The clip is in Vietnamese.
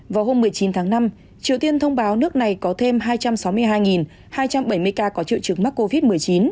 vào hôm một mươi chín tháng năm triều tiên thông báo nước này có thêm hai trăm sáu mươi hai hai trăm bảy mươi ca có triệu chứng mắc covid một mươi chín